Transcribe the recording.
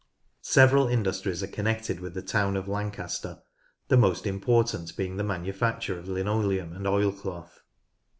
Several industries are connected with the town of Lancaster, the most important heing the manufacture of linoleum and oilcloth.